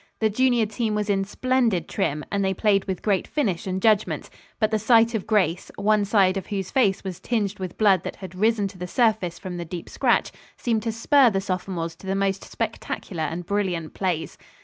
The junior team was in splendid trim, and they played with great finish and judgment; but the sight of Grace, one side of whose face was tinged with blood that had risen to the surface from the deep scratch, seemed to spur the sophomores to the most spectacular and brilliant plays.